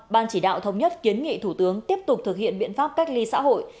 ban chỉ đạo thống nhất kiến nghị thủ tướng tiếp tục thực hiện biện pháp cách ly xã hội